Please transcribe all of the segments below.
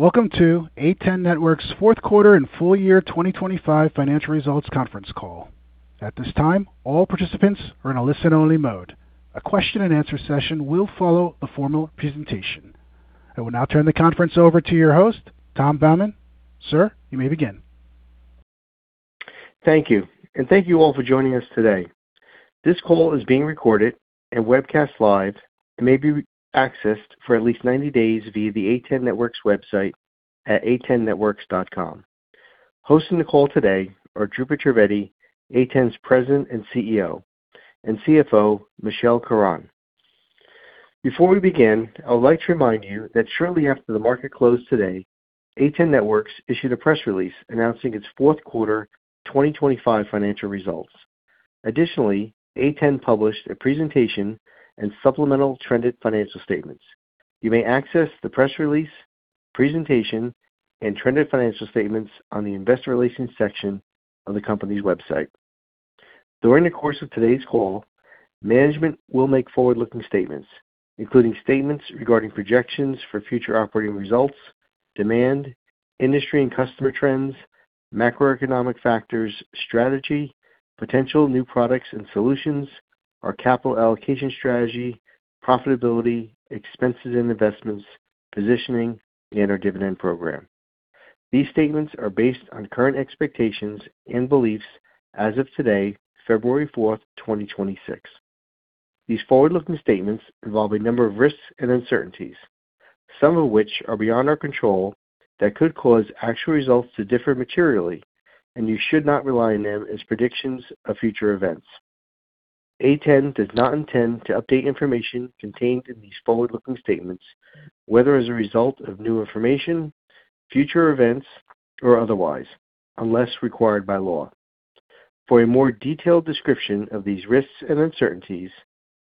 Welcome to A10 Networks' fourth quarter and full year 2025 financial results conference call. At this time, all participants are in a listen-only mode. A question and answer session will follow the formal presentation. I will now turn the conference over to your host, Tom Baumann. Sir, you may begin. Thank you, and thank you all for joining us today. This call is being recorded and webcast live and may be accessed for at least 90 days via the A10 Networks website at a10networks.com. Hosting the call today are Dhrupad Trivedi, A10's President and CEO, and CFO, Michelle Caron. Before we begin, I would like to remind you that shortly after the market closed today, A10 Networks issued a press release announcing its fourth quarter 2025 financial results. Additionally, A10 published a presentation and supplemental trended financial statements. You may access the press release, presentation, and trended financial statements on the investor relations section of the company's website. During the course of today's call, management will make forward-looking statements, including statements regarding projections for future operating results, demand, industry and customer trends, macroeconomic factors, strategy, potential new products and solutions, our capital allocation strategy, profitability, expenses and investments, positioning, and our dividend program. These statements are based on current expectations and beliefs as of today, February 4, 2026. These forward-looking statements involve a number of risks and uncertainties, some of which are beyond our control, that could cause actual results to differ materially, and you should not rely on them as predictions of future events. A10 does not intend to update information contained in these forward-looking statements, whether as a result of new information, future events, or otherwise, unless required by law. For a more detailed description of these risks and uncertainties,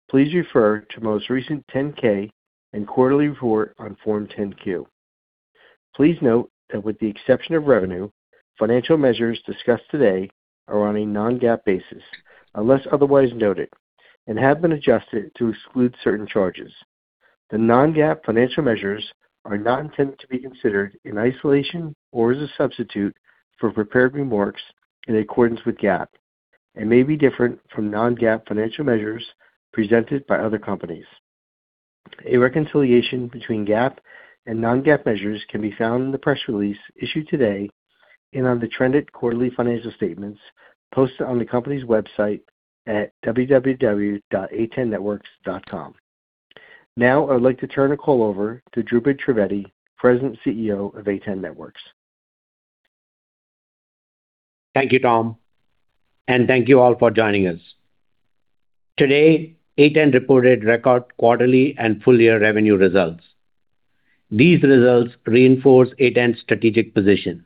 please refer to most recent 10-K and quarterly report on Form 10-Q. Please note that with the exception of revenue, financial measures discussed today are on a non-GAAP basis, unless otherwise noted, and have been adjusted to exclude certain charges. The non-GAAP financial measures are not intended to be considered in isolation or as a substitute for prepared remarks in accordance with GAAP and may be different from non-GAAP financial measures presented by other companies. A reconciliation between GAAP and non-GAAP measures can be found in the press release issued today and on the trended quarterly financial statements posted on the company's website at www.a10networks.com. Now, I would like to turn the call over to Dhrupad Trivedi, President and CEO of A10 Networks. Thank you, Tom, and thank you all for joining us. Today, A10 reported record, quarterly, and full-year revenue results. These results reinforce A10's strategic position.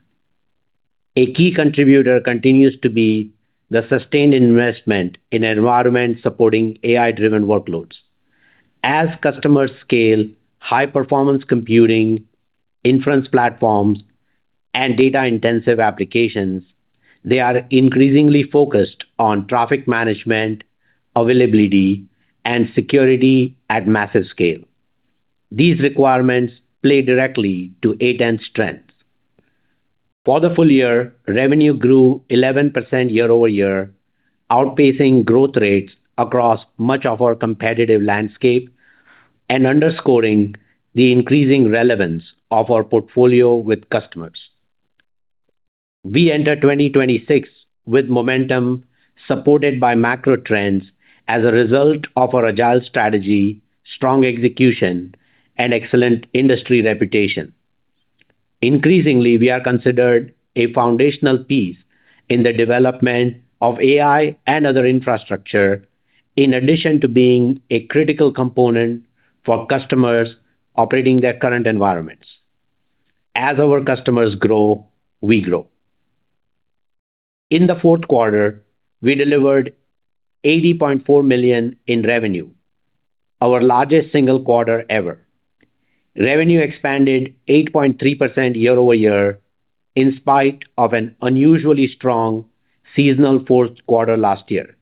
A key contributor continues to be the sustained investment in environment supporting AI-driven workloads. As customers scale high-performance computing, inference platforms, and data-intensive applications, they are increasingly focused on traffic management, availability, and security at massive scale. These requirements play directly to A10's strengths. For the full year, revenue grew 11% year-over-year, outpacing growth rates across much of our competitive landscape and underscoring the increasing relevance of our portfolio with customers. We enter 2026 with momentum supported by macro trends as a result of our agile strategy, strong execution, and excellent industry reputation. Increasingly, we are considered a foundational piece in the development of AI and other infrastructure, in addition to being a critical component for customers operating their current environments. As our customers grow, we grow. In the fourth quarter, we delivered $80.4 million in revenue, our largest single quarter ever. Revenue expanded 8.3% year-over-year in spite of an unusually strong seasonal fourth quarter last year.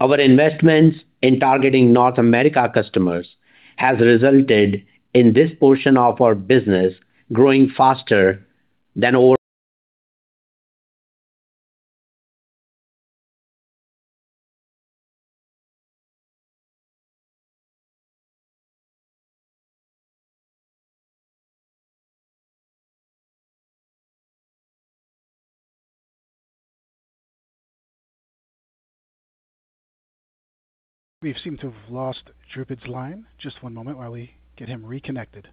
Our investments in targeting North America customers has resulted in this portion of our business growing faster than over- We seem to have lost Dhrupad's line. Just one moment while we get him reconnected....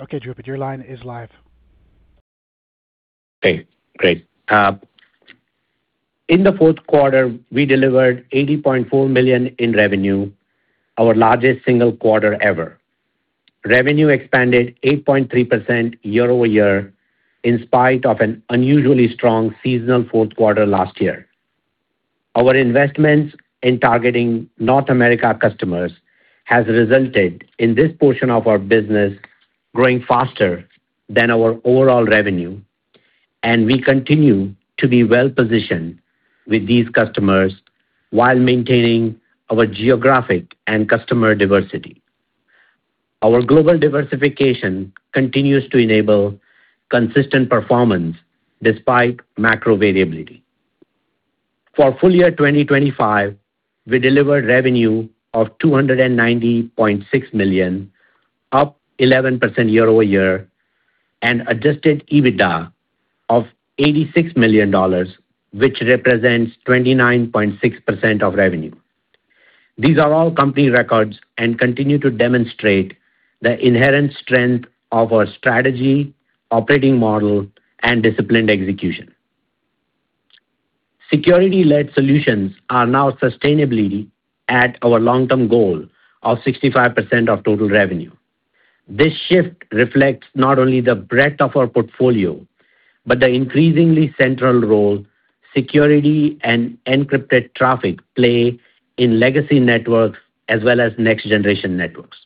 Okay, Dhrupad, your line is live. Great, great. In the fourth quarter, we delivered $80.4 million in revenue, our largest single quarter ever. Revenue expanded 8.3% year-over-year, in spite of an unusually strong seasonal fourth quarter last year. Our investments in targeting North America customers has resulted in this portion of our business growing faster than our overall revenue, and we continue to be well-positioned with these customers while maintaining our geographic and customer diversity. Our global diversification continues to enable consistent performance despite macro variability. For full year 2025, we delivered revenue of $290.6 million, up 11% year-over-year, and adjusted EBITDA of $86 million, which represents 29.6% of revenue. These are all company records and continue to demonstrate the inherent strength of our strategy, operating model, and disciplined execution. Security-led solutions are now sustainably at our long-term goal of 65% of total revenue. This shift reflects not only the breadth of our portfolio, but the increasingly central role security and encrypted traffic play in legacy networks as well as next-generation networks.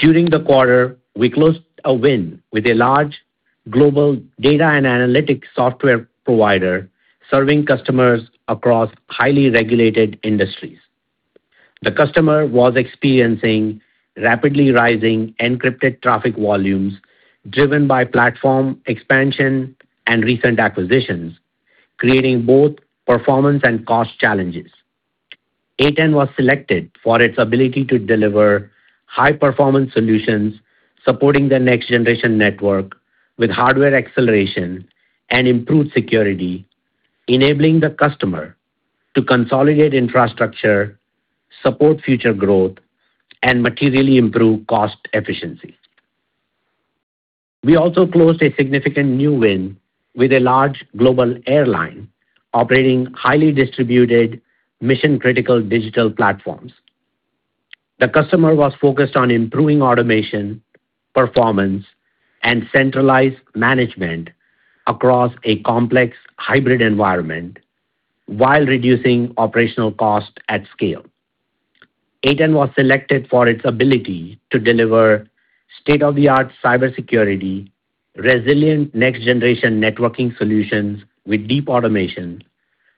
During the quarter, we closed a win with a large global data and analytics software provider, serving customers across highly regulated industries. The customer was experiencing rapidly rising encrypted traffic volumes, driven by platform expansion and recent acquisitions, creating both performance and cost challenges. A10 was selected for its ability to deliver high-performance solutions, supporting the next-generation network with hardware acceleration and improved security, enabling the customer to consolidate infrastructure, support future growth, and materially improve cost efficiency. We also closed a significant new win with a large global airline operating highly distributed mission-critical digital platforms. The customer was focused on improving automation, performance, and centralized management across a complex hybrid environment while reducing operational costs at scale. A10 was selected for its ability to deliver state-of-the-art cybersecurity, resilient next-generation networking solutions with deep automation,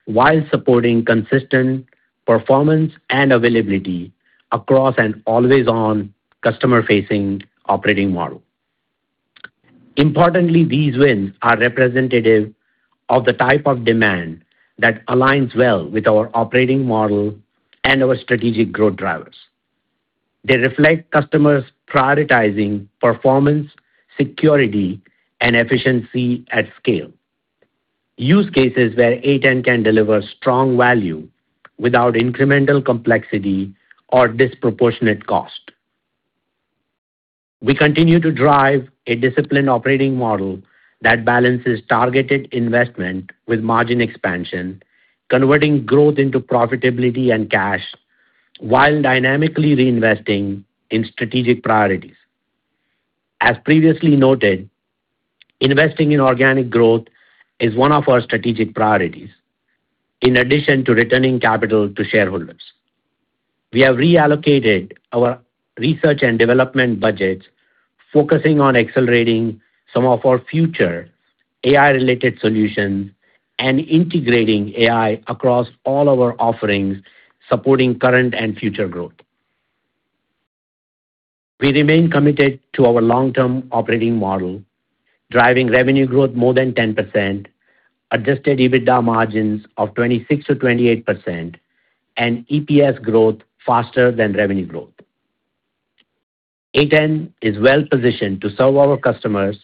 while supporting consistent performance and availability across an always-on customer-facing operating model. Importantly, these wins are representative of the type of demand that aligns well with our operating model and our strategic growth drivers. They reflect customers prioritizing performance, security, and efficiency at scale. Use cases where A10 can deliver strong value without incremental complexity or disproportionate cost. We continue to drive a disciplined operating model that balances targeted investment with margin expansion, converting growth into profitability and cash, while dynamically reinvesting in strategic priorities. As previously noted, investing in organic growth is one of our strategic priorities, in addition to returning capital to shareholders. We have reallocated our research and development budgets, focusing on accelerating some of our future AI-related solutions and integrating AI across all our offerings, supporting current and future growth. We remain committed to our long-term operating model, driving revenue growth more than 10%, adjusted EBITDA margins of 26%-28%, and EPS growth faster than revenue growth. A10 is well positioned to serve our customers,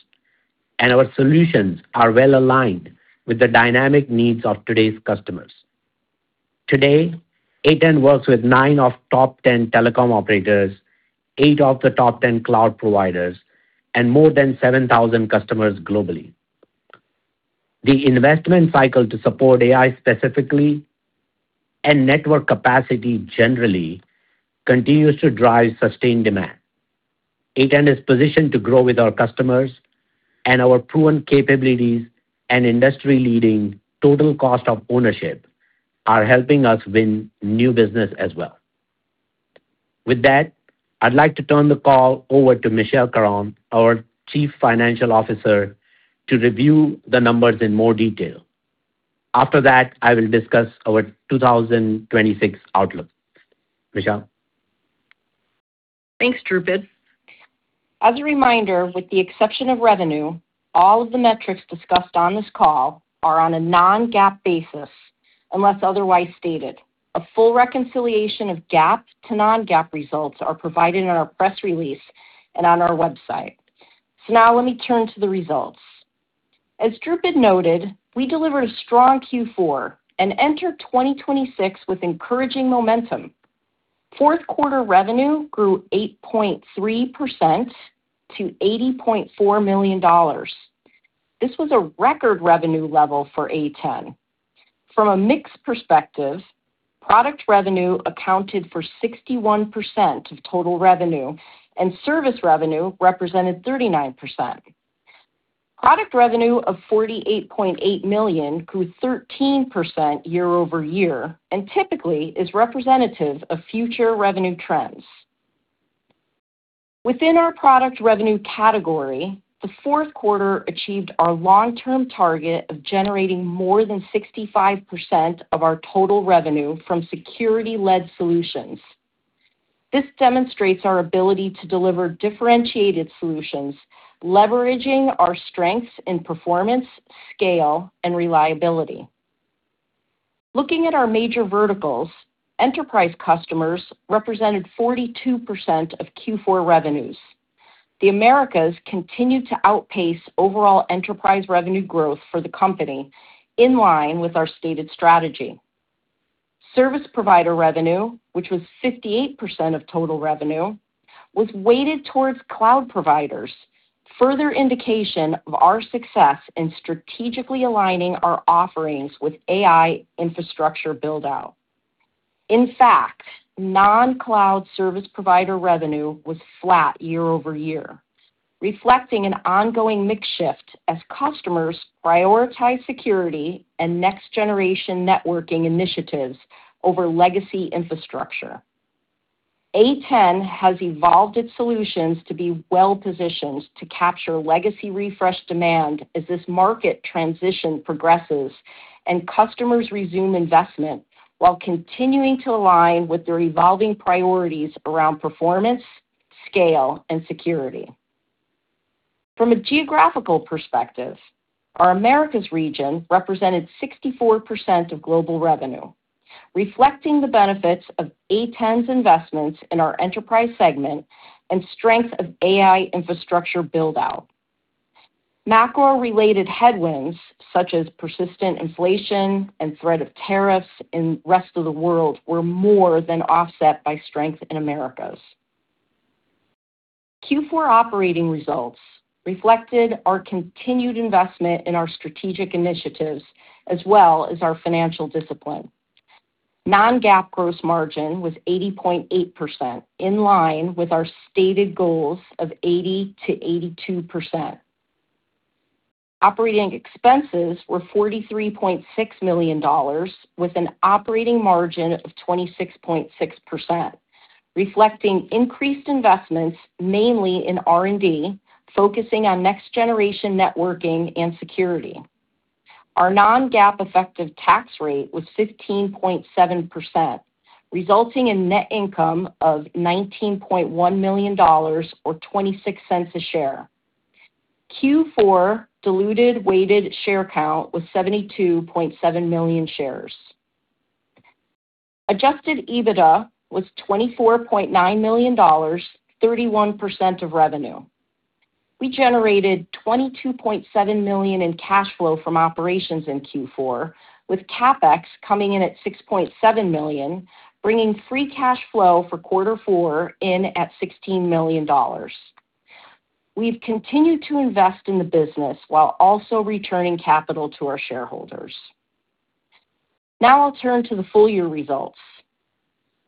and our solutions are well aligned with the dynamic needs of today's customers. Today, A10 works with nine of top 10 telecom operators, eight of the top 10 cloud providers, and more than 7,000 customers globally. The investment cycle to support AI specifically and network capacity generally continues to drive sustained demand. A10 is positioned to grow with our customers, and our proven capabilities and industry-leading total cost of ownership are helping us win new business as well. With that, I'd like to turn the call over to Michelle Caron, our Chief Financial Officer, to review the numbers in more detail. After that, I will discuss our 2026 outlook. Michelle? Thanks, Dhrupad. As a reminder, with the exception of revenue, all of the metrics discussed on this call are on a non-GAAP basis, unless otherwise stated. A full reconciliation of GAAP to non-GAAP results are provided in our press release and on our website. So now let me turn to the results.... As Dhrupad had noted, we delivered a strong Q4 and entered 2026 with encouraging momentum. Fourth quarter revenue grew 8.3% to $80.4 million. This was a record revenue level for A10. From a mix perspective, product revenue accounted for 61% of total revenue, and service revenue represented 39%. Product revenue of $48.8 million grew 13% year-over-year, and typically is representative of future revenue trends. Within our product revenue category, the fourth quarter achieved our long-term target of generating more than 65% of our total revenue from security-led solutions. This demonstrates our ability to deliver differentiated solutions, leveraging our strengths in performance, scale, and reliability. Looking at our major verticals, enterprise customers represented 42% of Q4 revenues. The Americas continued to outpace overall enterprise revenue growth for the company, in line with our stated strategy. Service provider revenue, which was 58% of total revenue, was weighted towards cloud providers, further indication of our success in strategically aligning our offerings with AI infrastructure build-out. In fact, non-cloud service provider revenue was flat year over year, reflecting an ongoing mix shift as customers prioritize security and next-generation networking initiatives over legacy infrastructure. A10 has evolved its solutions to be well-positioned to capture legacy refresh demand as this market transition progresses and customers resume investment while continuing to align with their evolving priorities around performance, scale, and security. From a geographical perspective, our Americas region represented 64% of global revenue, reflecting the benefits of A10's investments in our enterprise segment and strength of AI infrastructure build-out. Macro-related headwinds, such as persistent inflation and threat of tariffs in rest of the world, were more than offset by strength in Americas. Q4 operating results reflected our continued investment in our strategic initiatives, as well as our financial discipline. Non-GAAP gross margin was 80.8%, in line with our stated goals of 80%-82%. Operating expenses were $43.6 million, with an operating margin of 26.6%, reflecting increased investments, mainly in R&D, focusing on next-generation networking and security. Our non-GAAP effective tax rate was 15.7%, resulting in net income of $19.1 million, or $0.26 a share. Q4 diluted weighted share count was 72.7 million shares. Adjusted EBITDA was $24.9 million, 31% of revenue. We generated $22.7 million in cash flow from operations in Q4, with CapEx coming in at $6.7 million, bringing free cash flow for quarter four in at $16 million. We've continued to invest in the business while also returning capital to our shareholders. Now I'll turn to the full year results.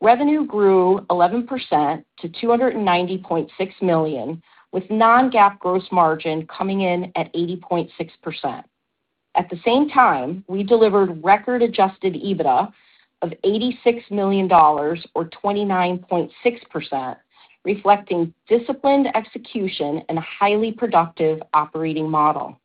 Revenue grew 11% to $290.6 million, with non-GAAP gross margin coming in at 80.6%. At the same time, we delivered record Adjusted EBITDA of $86 million, or 29.6%, reflecting disciplined execution and a highly productive operating model.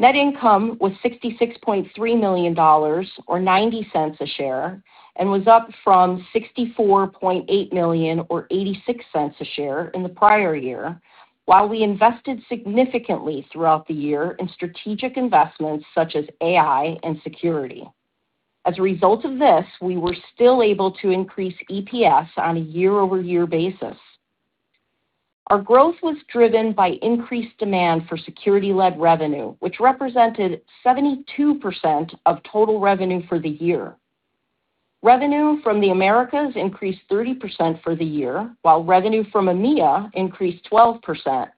Net income was $66.3 million, or $0.90 a share, and was up from $64.8 million, or $0.86 a share in the prior year, while we invested significantly throughout the year in strategic investments such as AI and security. As a result of this, we were still able to increase EPS on a year-over-year basis. Our growth was driven by increased demand for security-led revenue, which represented 72% of total revenue for the year. Revenue from the Americas increased 30% for the year, while revenue from EMEA increased 12%,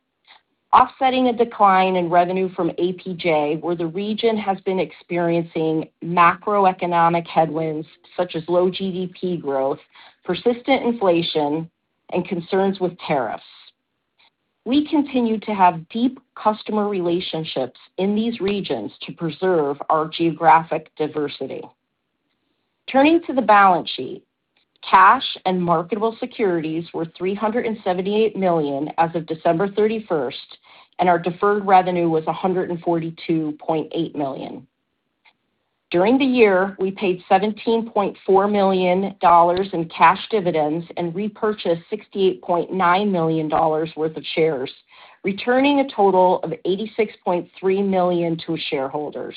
offsetting a decline in revenue from APJ, where the region has been experiencing macroeconomic headwinds such as low GDP growth, persistent inflation, and concerns with tariffs. We continue to have deep customer relationships in these regions to preserve our geographic diversity. Turning to the balance sheet, cash and marketable securities were $378 million as of December 31, and our deferred revenue was $142.8 million. During the year, we paid $17.4 million in cash dividends and repurchased $68.9 million worth of shares, returning a total of $86.3 million to shareholders.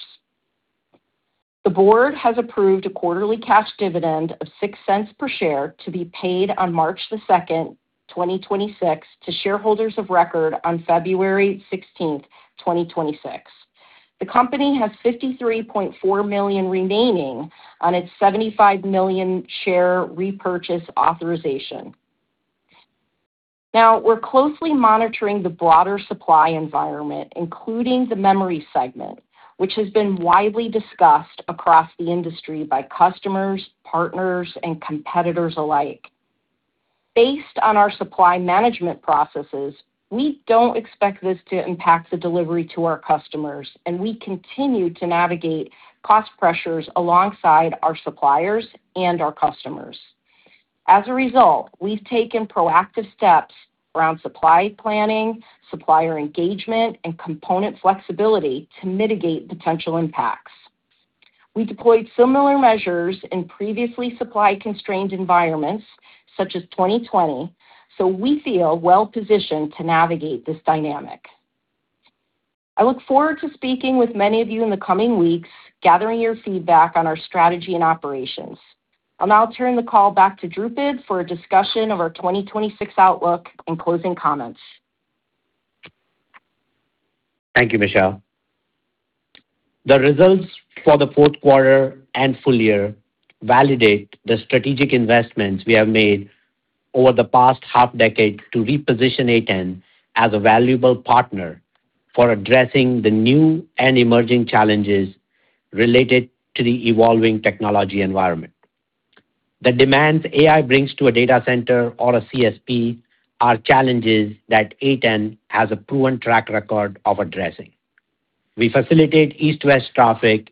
The board has approved a quarterly cash dividend of $0.06 per share to be paid on March 2, 2026, to shareholders of record on February 16, 2026. The company has $53.4 million remaining on its $75 million share repurchase authorization. Now, we're closely monitoring the broader supply environment, including the memory segment, which has been widely discussed across the industry by customers, partners, and competitors alike. Based on our supply management processes, we don't expect this to impact the delivery to our customers, and we continue to navigate cost pressures alongside our suppliers and our customers. As a result, we've taken proactive steps around supply planning, supplier engagement, and component flexibility to mitigate potential impacts. We deployed similar measures in previously supply-constrained environments, such as 2020, so we feel well positioned to navigate this dynamic. I look forward to speaking with many of you in the coming weeks, gathering your feedback on our strategy and operations. I'll now turn the call back to Dhrupad for a discussion of our 2026 outlook and closing comments. Thank you, Michelle. The results for the fourth quarter and full year validate the strategic investments we have made over the past half decade to reposition A10 as a valuable partner for addressing the new and emerging challenges related to the evolving technology environment. The demands AI brings to a data center or a CSP are challenges that A10 has a proven track record of addressing. We facilitate East-West traffic,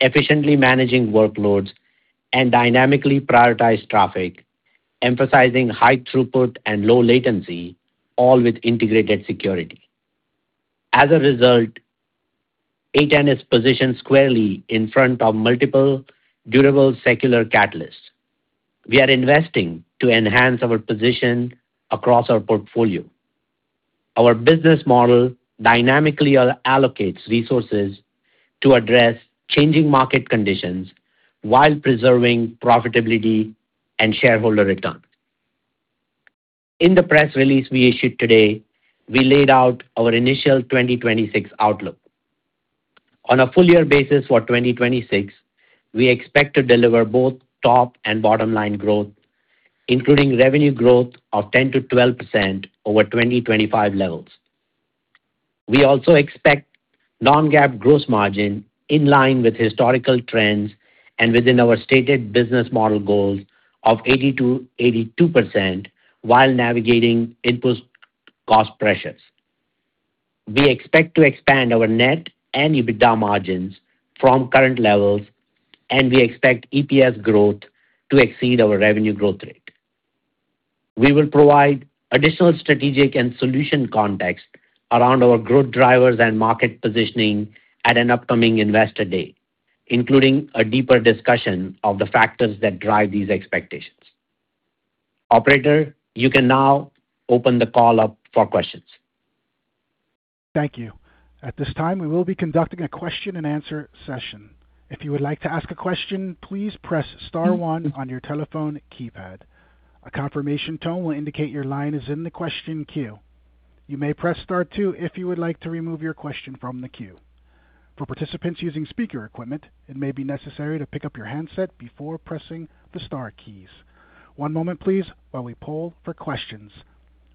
efficiently managing workloads and dynamically prioritize traffic, emphasizing high throughput and low latency, all with integrated security. As a result, A10 is positioned squarely in front of multiple durable secular catalysts. We are investing to enhance our position across our portfolio. Our business model dynamically allocates resources to address changing market conditions while preserving profitability and shareholder return. In the press release we issued today, we laid out our initial 2026 outlook. On a full year basis for 2026, we expect to deliver both top and bottom line growth, including revenue growth of 10%-12% over 2025 levels. We also expect non-GAAP gross margin in line with historical trends and within our stated business model goals of 80%-82% while navigating input cost pressures. We expect to expand our net and EBITDA margins from current levels, and we expect EPS growth to exceed our revenue growth rate. We will provide additional strategic and solution context around our growth drivers and market positioning at an upcoming Investor Day, including a deeper discussion of the factors that drive these expectations. Operator, you can now open the call up for questions. Thank you. At this time, we will be conducting a question-and-answer session. If you would like to ask a question, please press star one on your telephone keypad. A confirmation tone will indicate your line is in the question queue. You may press star two if you would like to remove your question from the queue. For participants using speaker equipment, it may be necessary to pick up your handset before pressing the star keys. One moment please while we poll for questions.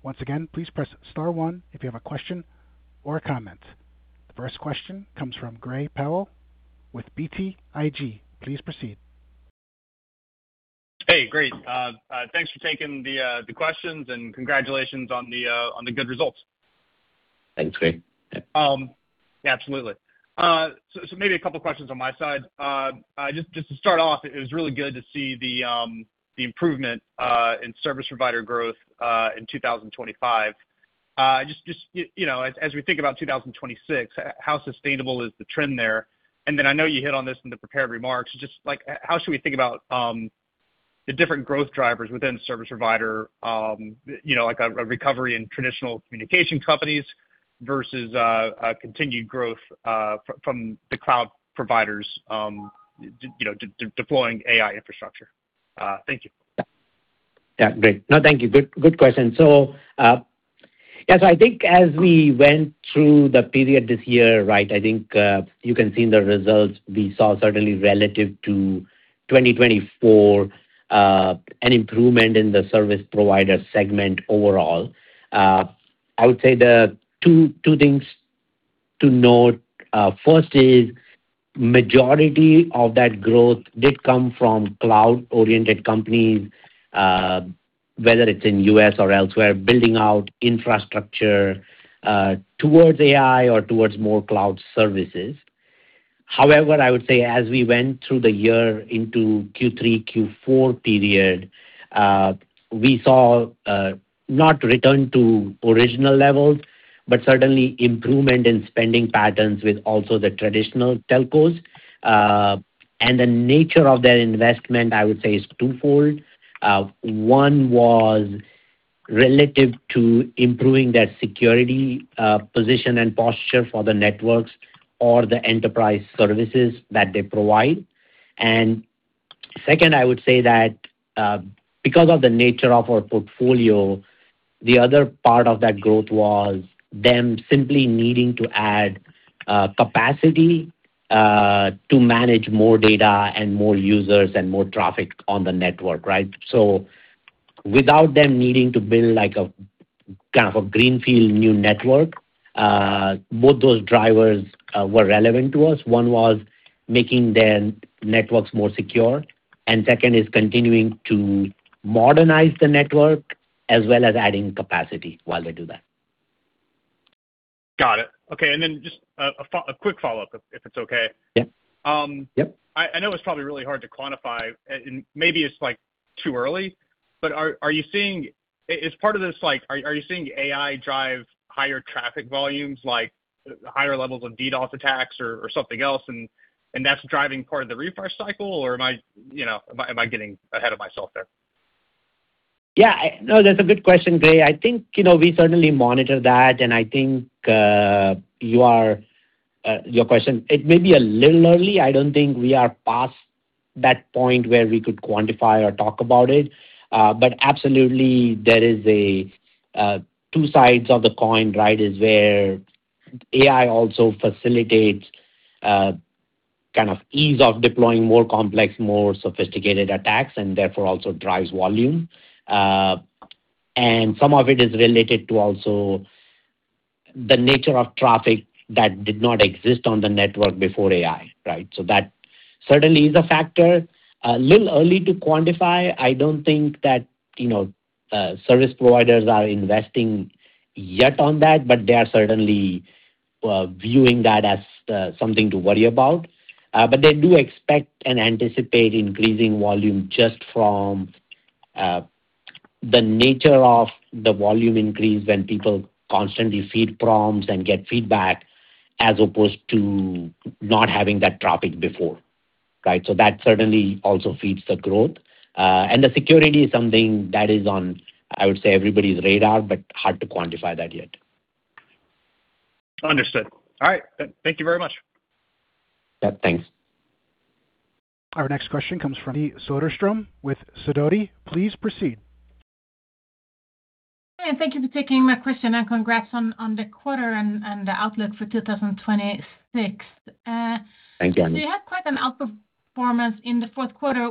Once again, please press star one if you have a question or a comment. The first question comes from Gray Powell with BTIG. Please proceed. Hey, great. Thanks for taking the questions and congratulations on the good results. Thanks, Gray. Absolutely. So, maybe a couple questions on my side. Just to start off, it was really good to see the improvement in service provider growth in 2025. You know, as we think about 2026, how sustainable is the trend there? And then I know you hit on this in the prepared remarks, just like how should we think about the different growth drivers within service provider, you know, like a recovery in traditional communication companies versus a continued growth from the cloud providers, you know, deploying AI infrastructure. Thank you. Yeah. Great. No, thank you. Good, good question. So, yeah, so I think as we went through the period this year, right, I think, you can see in the results we saw certainly relative to 2024, an improvement in the service provider segment overall. I would say the two things to note, first is majority of that growth did come from cloud-oriented companies, whether it's in U.S. or elsewhere, building out infrastructure, towards AI or towards more cloud services. However, I would say as we went through the year into Q3, Q4 period, we saw, not return to original levels, but certainly improvement in spending patterns with also the traditional telcos. And the nature of their investment, I would say, is twofold. One was-... Relative to improving their security position and posture for the networks or the enterprise services that they provide. And second, I would say that because of the nature of our portfolio, the other part of that growth was them simply needing to add capacity to manage more data and more users and more traffic on the network, right? So without them needing to build like a kind of a greenfield new network, both those drivers were relevant to us. One was making their networks more secure, and second is continuing to modernize the network as well as adding capacity while they do that. Got it. Okay, and then just a quick follow-up, if it's okay. Yeah. Yep. I know it's probably really hard to quantify, and maybe it's like too early, but are you seeing—is part of this, like, are you seeing AI drive higher traffic volumes, like higher levels of DDoS attacks or something else, and that's driving part of the refresh cycle? Or am I, you know, am I getting ahead of myself there? Yeah. No, that's a good question, Gray. I think, you know, we certainly monitor that, and I think, your question, it may be a little early. I don't think we are past that point where we could quantify or talk about it. But absolutely there is a, two sides of the coin, right, is where AI also facilitates, kind of ease of deploying more complex, more sophisticated attacks, and therefore also drives volume. And some of it is related to also the nature of traffic that did not exist on the network before AI, right? So that certainly is a factor. A little early to quantify. I don't think that, you know, service providers are investing yet on that, but they are certainly, viewing that as, something to worry about. But they do expect and anticipate increasing volume just from the nature of the volume increase when people constantly feed prompts and get feedback, as opposed to not having that traffic before, right? So that certainly also feeds the growth. And the security is something that is on, I would say, everybody's radar, but hard to quantify that yet. Understood. All right. Thank you very much. Yeah, thanks. Our next question comes from Soderstrom with Sidoti. Please proceed. Hey, and thank you for taking my question, and congrats on, on the quarter and, and the outlook for 2026. Thanks, Anja. You had quite an outperformance in the fourth quarter.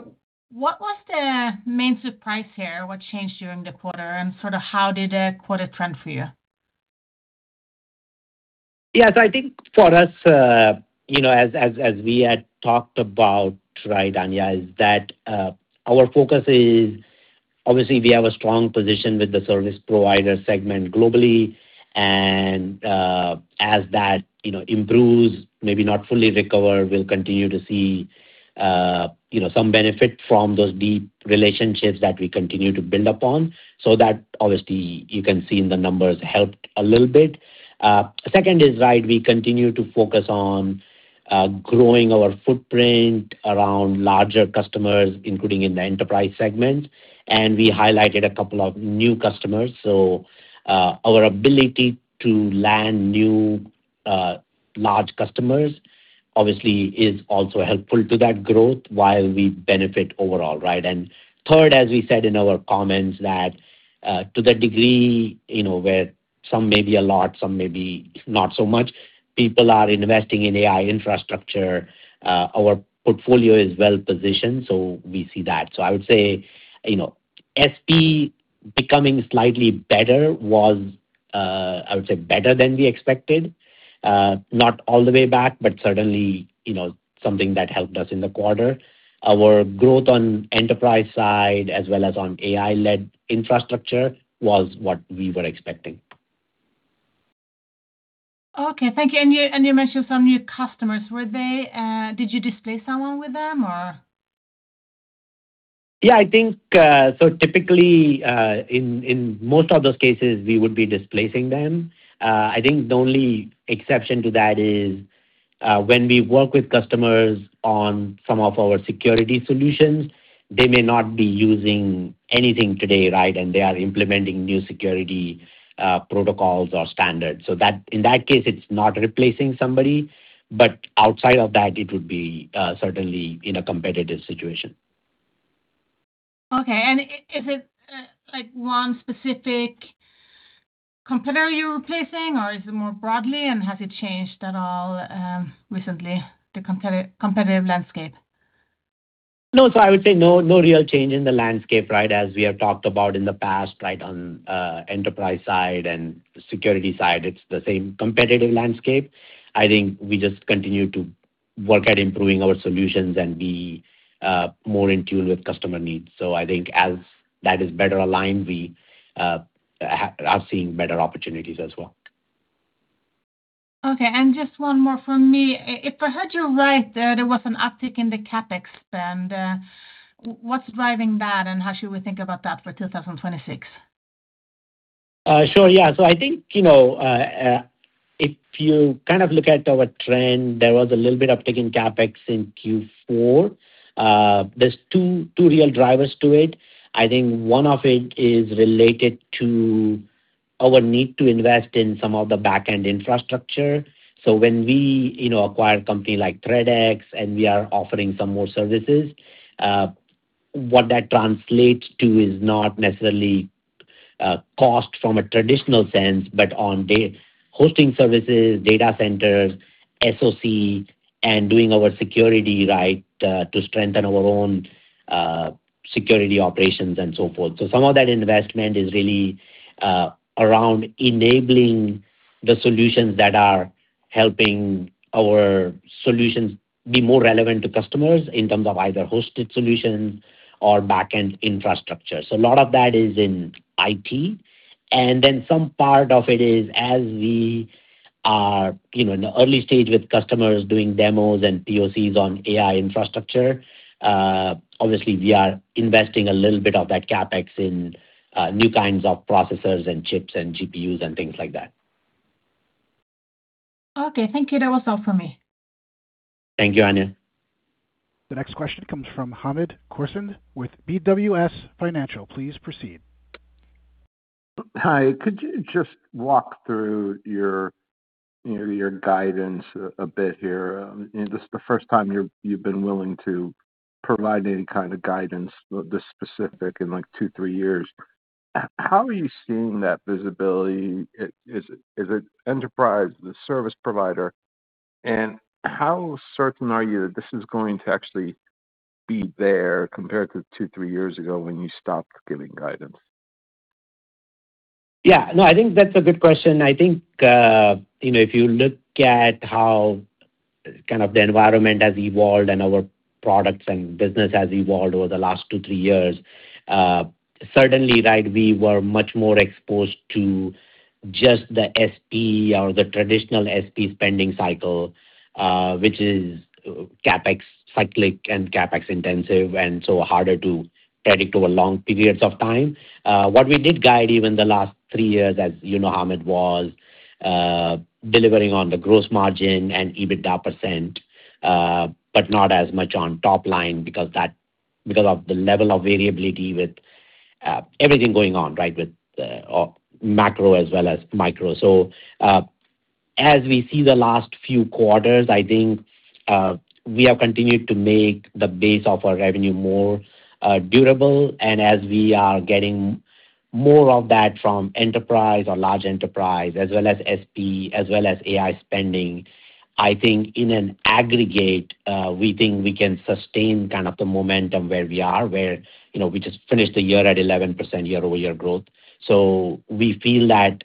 What was the main surprise here? What changed during the quarter, and sort of how did the quarter trend for you? Yeah, so I think for us, you know, as we had talked about, right, Anja, is that our focus is obviously we have a strong position with the service provider segment globally, and as that, you know, improves, maybe not fully recover, we'll continue to see, you know, some benefit from those deep relationships that we continue to build upon. So that obviously, you can see in the numbers, helped a little bit. Second is, right, we continue to focus on growing our footprint around larger customers, including in the enterprise segment, and we highlighted a couple of new customers. So our ability to land new large customers obviously is also helpful to that growth while we benefit overall, right? And third, as we said in our comments, that, to the degree, you know, where some may be a lot, some may be not so much, people are investing in AI infrastructure. Our portfolio is well positioned, so we see that. So I would say, you know, SP becoming slightly better was, I would say, better than we expected. Not all the way back, but certainly, you know, something that helped us in the quarter. Our growth on enterprise side, as well as on AI-led infrastructure, was what we were expecting. Okay, thank you. And you mentioned some new customers. Were they, did you displace someone with them or? Yeah, I think so typically in most of those cases, we would be displacing them. I think the only exception to that is when we work with customers on some of our security solutions, they may not be using anything today, right? And they are implementing new security protocols or standards. So that, in that case, it's not replacing somebody, but outside of that, it would be certainly in a competitive situation. Okay. And is it like one specific competitor you're replacing, or is it more broadly, and has it changed at all recently, the competitive landscape? No, so I would say no, no real change in the landscape, right? As we have talked about in the past, right, on the enterprise side and security side, it's the same competitive landscape. I think we just continue to work at improving our solutions and be more in tune with customer needs. So I think as that is better aligned, we are seeing better opportunities as well. Okay, just one more from me. If I heard you right, there was an uptick in the CapEx spend, what's driving that, and how should we think about that for 2026?... Sure, yeah. So I think, you know, if you kind of look at our trend, there was a little bit uptick in CapEx in Q4. There's two real drivers to it. I think one of it is related to our need to invest in some of the back-end infrastructure. So when we, you know, acquire a company like ThreatX, and we are offering some more services, what that translates to is not necessarily cost from a traditional sense, but on the hosting services, data centers, SOC, and doing our security right, to strengthen our own security operations and so forth. So some of that investment is really around enabling the solutions that are helping our solutions be more relevant to customers in terms of either hosted solutions or back-end infrastructure. So a lot of that is in IT. And then some part of it is, as we are, you know, in the early stage with customers doing demos and POCs on AI infrastructure, obviously we are investing a little bit of that CapEx in, new kinds of processors and chips and GPUs and things like that. Okay, thank you. That was all for me. Thank you, Anja. The next question comes from Hamed Khorsand with BWS Financial. Please proceed. Hi, could you just walk through your guidance a bit here? This is the first time you've been willing to provide any kind of guidance this specific in, like, two, three years. How are you seeing that visibility? Is it enterprise, the service provider, and how certain are you that this is going to actually be there compared to two, three years ago when you stopped giving guidance? Yeah. No, I think that's a good question. I think, you know, if you look at how kind of the environment has evolved and our products and business has evolved over the last two, three years, certainly, right, we were much more exposed to just the SP or the traditional SP spending cycle, which is CapEx cyclic and CapEx intensive, and so harder to predict over long periods of time. What we did guide even the last three years, as you know, Hamed, was delivering on the gross margin and EBITDA %, but not as much on top line because of the level of variability with everything going on, right, with macro as well as micro. So, as we see the last few quarters, I think, we have continued to make the base of our revenue more durable. And as we are getting more of that from enterprise or large enterprise, as well as SP, as well as AI spending, I think in an aggregate, we think we can sustain kind of the momentum where we are, where, you know, we just finished the year at 11% year-over-year growth. So we feel that,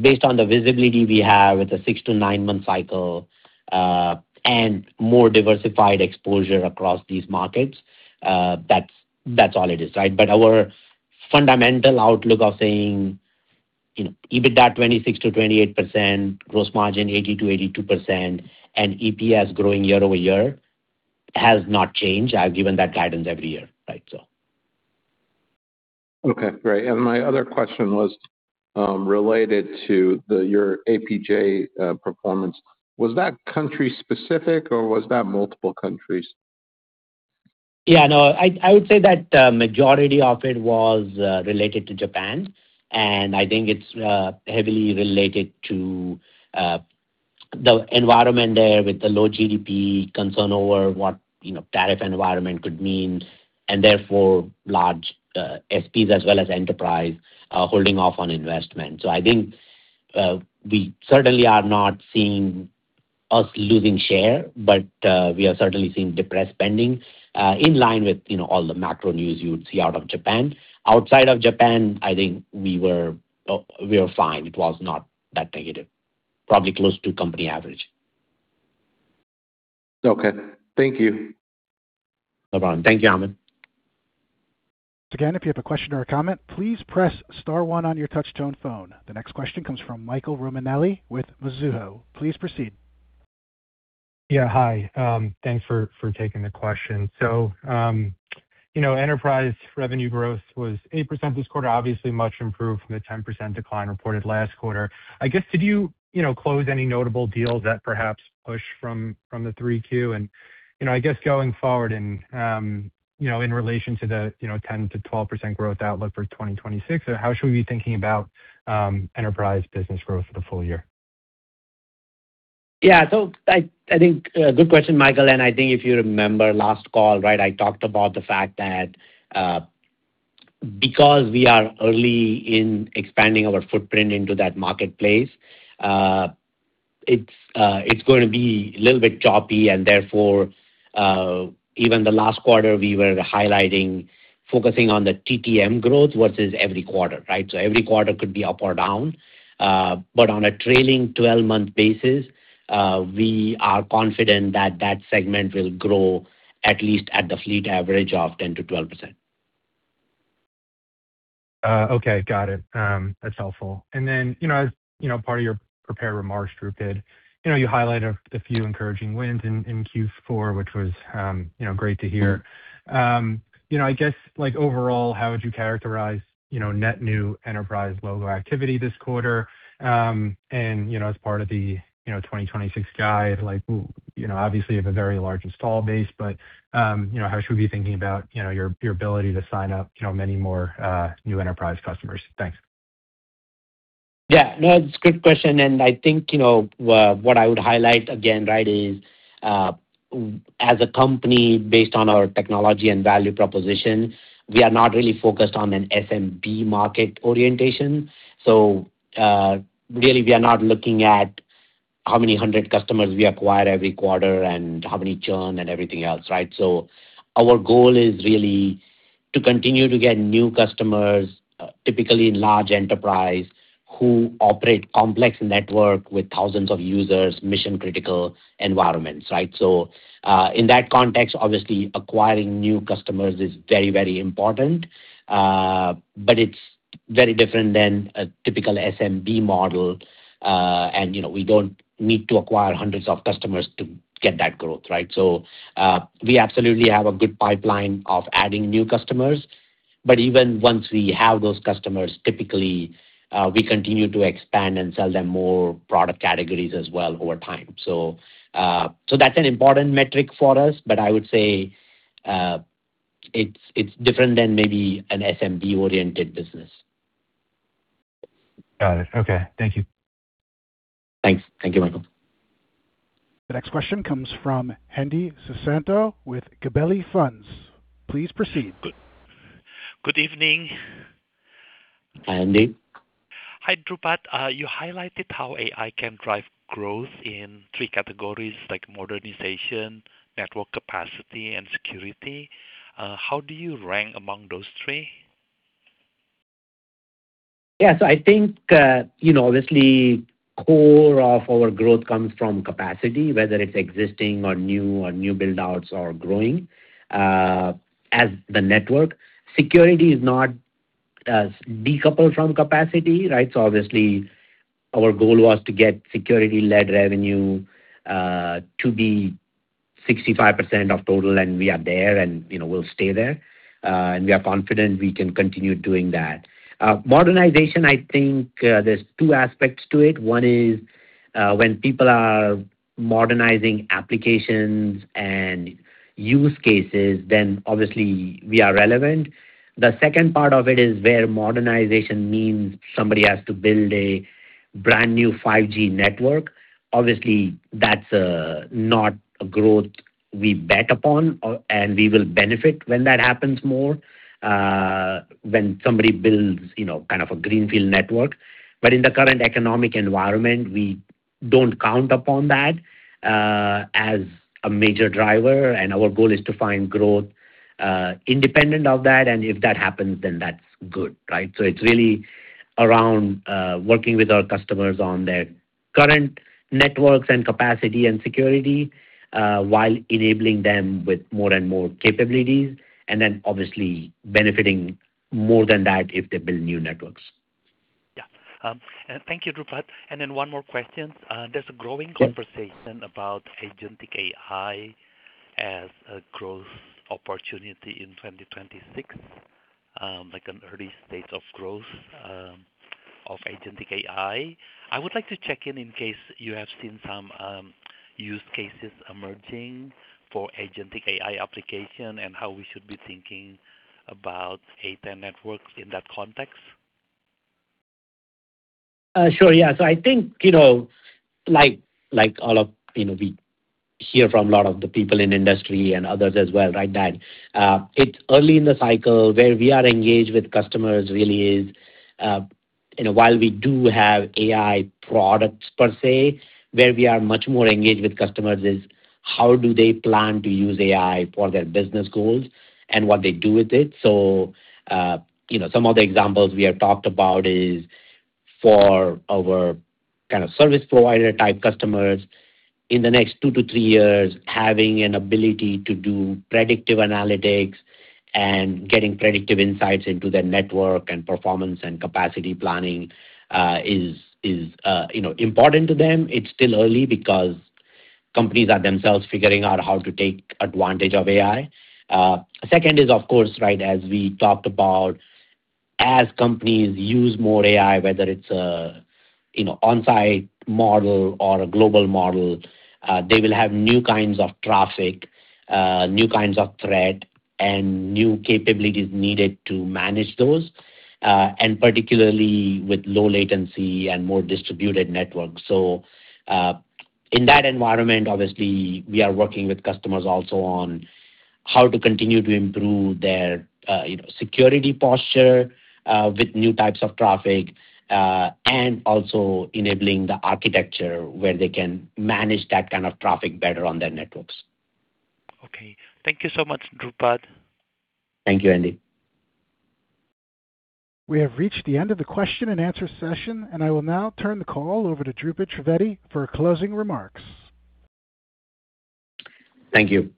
based on the visibility we have with a 6-9-month cycle, and more diversified exposure across these markets, that's, that's all it is, right? But our fundamental outlook of saying, you know, EBITDA 26%-28%, gross margin 80%-82%, and EPS growing year-over-year, has not changed. I've given that guidance every year, right? So... Okay, great. And my other question was related to the... Your APJ performance. Was that country specific or was that multiple countries? Yeah, no, I would say that the majority of it was related to Japan, and I think it's heavily related to the environment there with the low GDP, concern over what, you know, tariff environment could mean, and therefore large SPs as well as enterprise are holding off on investment. So I think we certainly are not seeing us losing share, but we are certainly seeing depressed spending in line with, you know, all the macro news you would see out of Japan. Outside of Japan, I think we were fine. It was not that negative. Probably close to company average. Okay. Thank you. No problem. Thank you, Hamed. Again, if you have a question or a comment, please press star one on your touchtone phone. The next question comes from Michael Romanelli with Mizuho. Please proceed. Yeah, hi. Thanks for taking the question. So, you know, enterprise revenue growth was 8% this quarter, obviously much improved from the 10% decline reported last quarter. I guess, did you, you know, close any notable deals that perhaps pushed from Q3? And, you know, I guess, going forward and, you know, in relation to the, you know, 10%-12% growth outlook for 2026, so how should we be thinking about enterprise business growth for the full year? Yeah. So I think good question, Michael, and I think if you remember last call, right, I talked about the fact that, because we are early in expanding our footprint into that marketplace, it's going to be a little bit choppy and therefore, even the last quarter, we were highlighting focusing on the TTM growth versus every quarter, right? So every quarter could be up or down, but on a trailing 12-month basis, we are confident that that segment will grow at least at the fleet average of 10%-12%.... Okay, got it. That's helpful. And then, you know, as you know, part of your prepared remarks, Dhrupad, you know, you highlighted a few encouraging wins in Q4, which was, you know, great to hear. You know, I guess, like, overall, how would you characterize, you know, net new enterprise logo activity this quarter? And, you know, as part of the 2026 guide, like, you know, obviously, you have a very large install base, but, you know, how should we be thinking about, you know, your ability to sign up, you know, many more new enterprise customers? Thanks. Yeah. No, it's a good question, and I think, you know, what I would highlight again, right, is, as a company based on our technology and value proposition, we are not really focused on an SMB market orientation. So, really, we are not looking at how many hundred customers we acquire every quarter and how many churn and everything else, right? So our goal is really to continue to get new customers, typically in large enterprise, who operate complex network with thousands of users, mission-critical environments, right? So, in that context, obviously, acquiring new customers is very, very important, but it's very different than a typical SMB model. And, you know, we don't need to acquire hundreds of customers to get that growth, right? So, we absolutely have a good pipeline of adding new customers, but even once we have those customers, typically, we continue to expand and sell them more product categories as well over time. So, that's an important metric for us, but I would say, it's, it's different than maybe an SMB-oriented business. Got it. Okay. Thank you. Thanks. Thank you, Michael. The next question comes from Hendi Susanto with Gabelli Funds. Please proceed. Good, good evening. Hi, Hendi. Hi, Dhrupad. You highlighted how AI can drive growth in three categories, like modernization, network capacity, and security. How do you rank among those three? Yes, I think, you know, obviously, core of our growth comes from capacity, whether it's existing or new or new build-outs or growing, as the network. Security is not decoupled from capacity, right? So obviously, our goal was to get security-led revenue to be 65% of total, and we are there, and, you know, we'll stay there. And we are confident we can continue doing that. Modernization, I think, there's two aspects to it. One is, when people are modernizing applications and use cases, then obviously we are relevant. The second part of it is where modernization means somebody has to build a brand-new 5G network. Obviously, that's not a growth we bet upon, and we will benefit when that happens more, when somebody builds, you know, kind of a greenfield network. But in the current economic environment, we don't count upon that, as a major driver, and our goal is to find growth, independent of that, and if that happens, then that's good, right? So it's really around, working with our customers on their current networks and capacity and security, while enabling them with more and more capabilities, and then obviously benefiting more than that if they build new networks. Yeah. Thank you, Dhrupad. Then one more question. Yes. There's a growing conversation about agentic AI as a growth opportunity in 2026, like an early stage of growth, of agentic AI. I would like to check in, in case you have seen some use cases emerging for agentic AI application and how we should be thinking about A10 Networks in that context. Sure. Yeah. So I think, you know, like, like all of... You know, we hear from a lot of the people in industry and others as well, right, that, it's early in the cycle. Where we are engaged with customers really is, you know, while we do have AI products per se, where we are much more engaged with customers is, how do they plan to use AI for their business goals and what they do with it? So, you know, some of the examples we have talked about is for our kind of service provider-type customers, in the next 2-3 years, having an ability to do predictive analytics and getting predictive insights into their network and performance and capacity planning, is, is, you know, important to them. It's still early because companies are themselves figuring out how to take advantage of AI. Second is, of course, right, as we talked about, as companies use more AI, whether it's a, you know, on-site model or a global model, they will have new kinds of traffic, new kinds of threat, and new capabilities needed to manage those, and particularly with low latency and more distributed networks. So, in that environment, obviously, we are working with customers also on how to continue to improve their, you know, security posture, with new types of traffic, and also enabling the architecture where they can manage that kind of traffic better on their networks. Okay. Thank you so much, Dhrupad. Thank you, Andy. We have reached the end of the question and answer session, and I will now turn the call over to Dhrupad Trivedi for closing remarks. Thank you.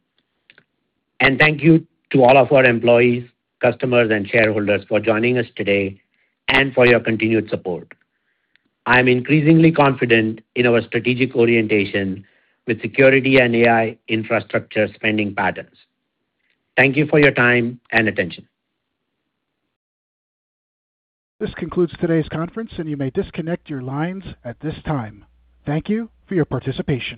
Thank you to all of our employees, customers, and shareholders for joining us today and for your continued support. I'm increasingly confident in our strategic orientation with security and AI infrastructure spending patterns. Thank you for your time and attention. This concludes today's conference, and you may disconnect your lines at this time. Thank you for your participation.